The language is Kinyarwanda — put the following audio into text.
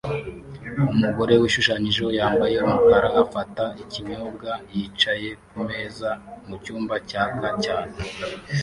Umugore wishushanyijeho yambaye umukara afata ikinyobwa yicaye kumeza mucyumba cyaka cyane